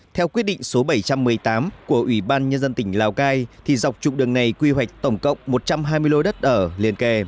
theo quyết định số bảy trăm một mươi tám của ủy ban nhân dân tỉnh lào cai thì dọc trục đường này quy hoạch tổng cộng một trăm hai mươi lô đất ở liền kề